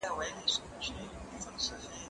زه به سبا سیر وکړم،